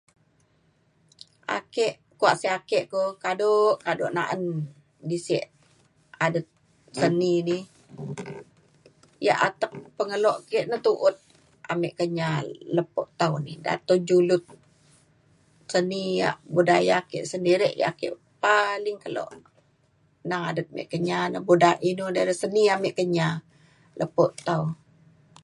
ake kuak sik ake ko kado kado na’an di sik adet seni di ia’ atek pengelo ke ne tu’ut ame Kenyah lepo tau ni datun julud seni ia’ budaya ke sendiri ia’ ake paling kelo neng adet me Kenyah na buda- inu [unintelligible] seni ame Kenyah lepo tau.